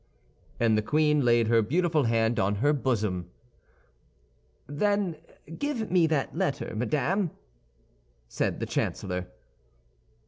And the queen laid her beautiful hand on her bosom. "Then give me that letter, madame," said the chancellor.